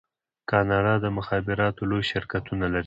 کاناډا د مخابراتو لوی شرکتونه لري.